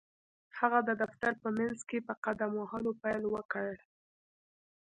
هغه د دفتر په منځ کې په قدم وهلو پيل وکړ.